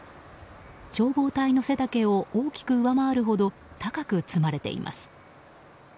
消防隊の背丈を大きく上回るほど高く積まれています。